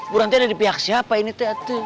bu ranti ada di pihak siapa ini teh ate